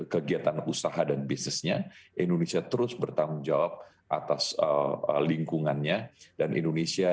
kegiatan usaha dan bisnisnya indonesia terus bertanggung jawab atas lingkungannya dan indonesia